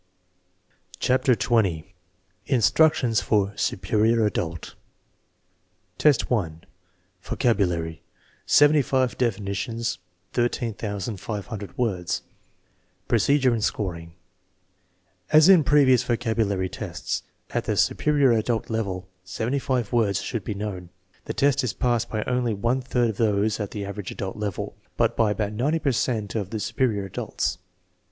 CHAPTER XX INSTRUCTIONS FOR "SUPERIOR ADULT" Superior adult, 1 : vocabulary (seventy five definitions, 13,500 words) Procedure and Scoring, as in previous vocabulary tests. At the " superior adult " level seventy five words should be known. The test is passed by only one third of those at the " average adult " level, but by about 90 per cent of " su perior adults."